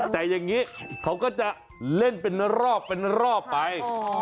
แต่อย่างนี้เขาก็จะเล่นเป็นรอบไป